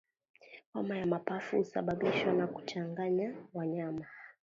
Homa ya mapafu husababishwa na kuchanganya wanyama